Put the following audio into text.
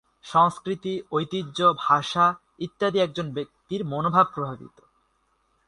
সংস্কৃতি, ঐতিহ্য, ভাষা, ইত্যাদি, একজন ব্যক্তির মনোভাব প্রভাবিত।